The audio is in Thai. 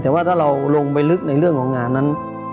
แต่ว่าถ้าเราลงไปลึกในเรื่องของงานนั้น